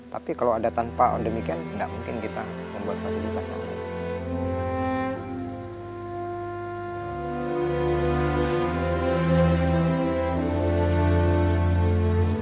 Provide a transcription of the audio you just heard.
tapi kalau ada tanpa on demikian tidak mungkin kita membuat fasilitas yang baik